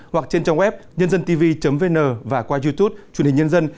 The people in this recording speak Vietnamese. hoặc trên trang web nhândântv vn và qua youtube truyền hình nhân dân